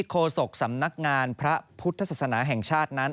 โศกสำนักงานพระพุทธศาสนาแห่งชาตินั้น